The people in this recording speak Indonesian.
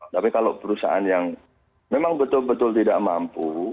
tapi kalau perusahaan yang memang betul betul tidak mampu